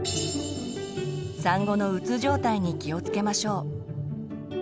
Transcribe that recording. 産後のうつ状態に気を付けましょう。